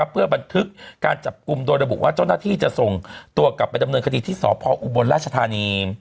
เพื่อบันทึกการจับกลุ่มโดยระบุว่าเจ้าหน้าที่จะส่งตัวกลับไปดำเนินคดีที่สพออุบลราชธานี